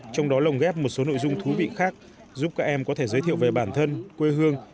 trong đó lồng ghép một số nội dung thú vị khác giúp các em có thể giới thiệu về bản thân quê hương